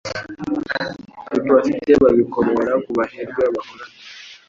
ibyo bafite babikomora ku baherwe bahorana.